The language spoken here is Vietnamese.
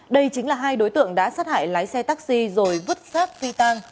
đây chính là hai đối tượng đã sát hại lái xe taxi rồi vứt sát phi tang